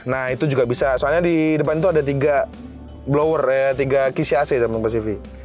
nah itu juga bisa soalnya di depan itu ada tiga blower ya tiga kisi ac tabung pasifi